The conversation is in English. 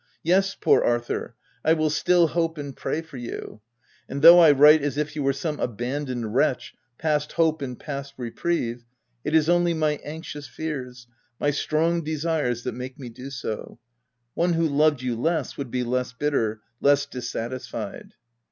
Yes, poor Arthur, I will still hope and pray for you ; and though I write as if you were some abandoned wretch, past hope and past reprieve, it is only my anxious fears — my strong desires that make me do so ; one who loved you less would be less bitter— less dissatisfied.